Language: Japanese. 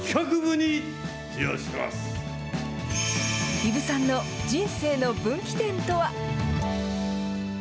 伊武さんの人生の分岐点とは。